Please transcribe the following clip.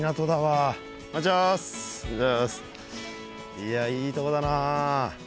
いやいいとこだなあ。